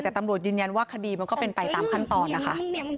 แต่ตำรวจยืนยันว่าคดีมันก็เป็นไปตามขั้นตอนนะคะ